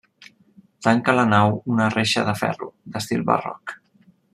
Tanca la nau una reixa de ferro, d'estil barroc.